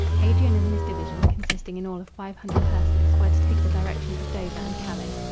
Adrian and his division, consisting in all of five hundred persons, were to take the direction of Dover and Calais.